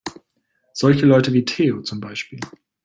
Solche Leute wie Theo, zum Beispiel.